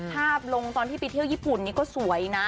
ลงตอนที่ไปเที่ยวญี่ปุ่นนี้ก็สวยนะ